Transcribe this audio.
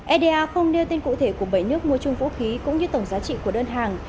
eda không đưa tin cụ thể của bảy nước mua chung vũ khí cũng như tổng giá trị của đơn hàng